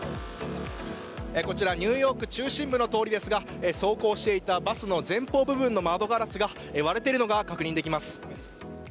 こちらニューヨーク中心部の通りですが走行していたバスの前方部分の窓ガラスが割れているのが確認できます。